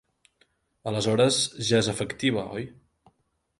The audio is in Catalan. Aleshores ja és efectiva oi?